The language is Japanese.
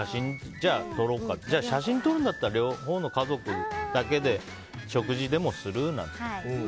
じゃあ写真撮るんだったら両方の家族だけで食事でもする？みたいな。